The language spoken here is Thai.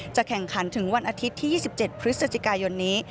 แข่งขันถึงวันอาทิตย์ที่๒๗พฤศจิกายนนี้